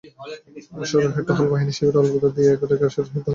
অশ্বারোহী টহল বাহিনী শিবিরের অল্পদূর দিয়ে আরেক অশ্বারোহী দলকে ধীরে ধীরে যেতে দেখে।